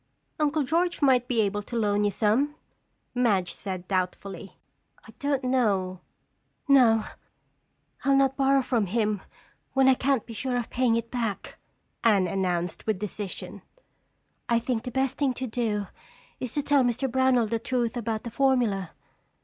"Uncle George might be able to loan you some," Madge said doubtfully. "I don't know—" "No, I'll not borrow from him when I can't be sure of paying it back," Anne announced with decision. "I think the best thing to do is to tell Mr. Brownell the truth about the formula.